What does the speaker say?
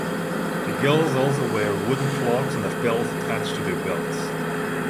The Gilles also wear wooden clogs and have bells attached to their belts.